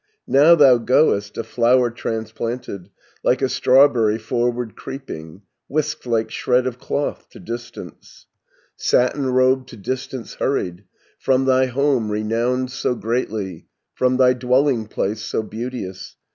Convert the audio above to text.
Now thou goest, a flower transplanted, Like a strawberry forward creeping, 20 Whisked, like shred of cloth, to distance, Satin robed, to distance hurried, From thy home, renowned so greatly, From thy dwelling place so beauteous.